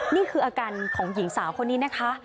นี่คืออาการของหญิงสาวคนนี้นะคะ